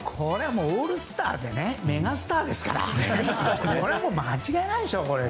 オールスターでメガスターですから間違いないでしょう。